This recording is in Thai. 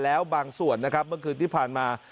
แล้วบางส่วนเมื่อคืนที่ผ่านมา